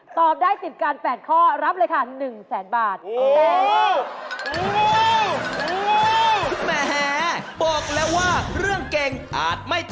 ตอบได้ติดการ๘ข้อรับเลยค่ะ๑แสนบาท